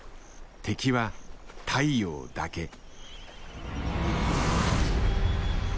敵は太陽だけ。